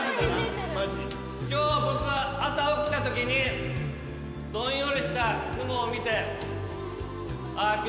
今日は僕は朝起きたときにどんよりした雲を見てああ